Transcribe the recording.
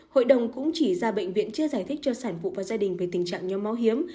hội đồng cũng chỉ ra bệnh viện chưa giải thích cho sản phụ và gia đình về tình trạng nhóm máu hiếm